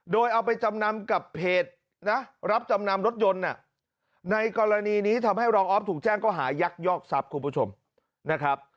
โดยเอาไปจำนำกับเพจนะรับจำนำรถยนต์ในกรณีนี้ทำให้รองออฟถูกแจ้งก็หายักยอกทรัพย์คุณผู้ชมนะครับ